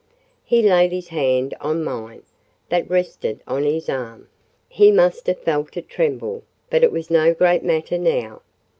He laid his hand on mine, that rested on his arm: he must have felt it tremble—but it was no great matter now.